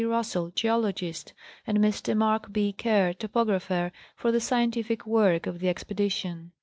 Russell, geologist, and Mr. Mark B. Kerr, topographer, for the scientific work of the expedition.